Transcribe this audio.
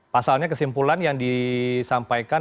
pasalnya kesimpulan yang disampaikan